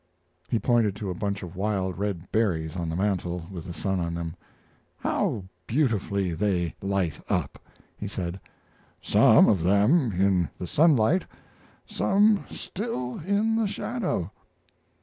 He pointed to a bunch of wild red berries on the mantel with the sun on them. "How beautifully they light up!" he said; "some of them in the sunlight, some still in the shadow."